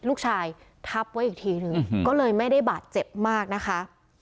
ลูกชายทับไว้อีกทีหนึ่งก็เลยไม่ได้บาดเจ็บมากนะคะ